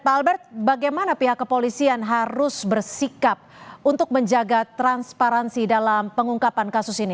pak albert bagaimana pihak kepolisian harus bersikap untuk menjaga transparansi dalam pengungkapan kasus ini